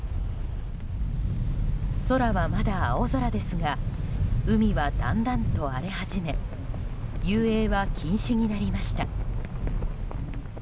空は、まだ青空ですが海はだんだんと荒れ始め遊泳は禁止になりました。